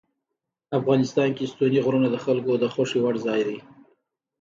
افغانستان کې ستوني غرونه د خلکو د خوښې وړ ځای دی.